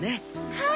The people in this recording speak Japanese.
はい！